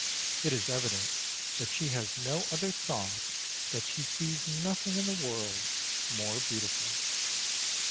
It is evident that she has no other thought, that she sees nothing in the world more beautiful.